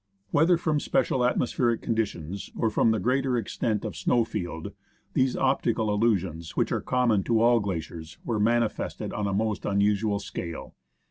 Whether from special atmospheric conditions, or from the greater extent of snow field, those optical illusions which are common to all glaciers were manifested on a most unusual scale.